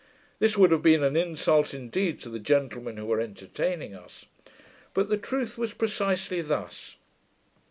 This would have been an insult indeed to the gentlemen who were entertaining us. But the truth was precisely thus.